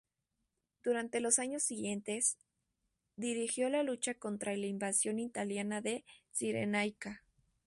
Durante los años siguientes, dirigió la lucha contra la invasión italiana de Cirenaica.